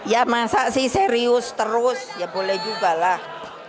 ya masa sih serius terus ya boleh juga lah